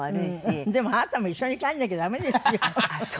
でもあなたも一緒に帰らなきゃダメですよ。